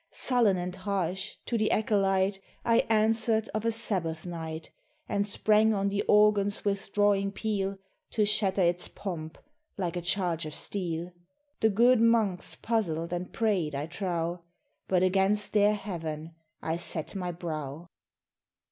Sullen and harsh, to the acolyte I answered of a Sabbath night, And sprang on the organ's withdrawing peal To shatter its pomp, like a charge of steel. The good monks puzzled and prayed, I trow: But against their Heaven I set my brow.